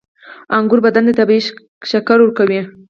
• انګور بدن ته طبیعي شکر ورکوي.